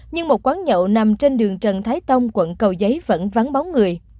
nhưng một quán nhậu nằm trên đường trần thái tông quận cầu giấy vẫn vắng bóng người